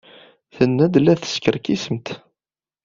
Tenna-d la teskerkisemt.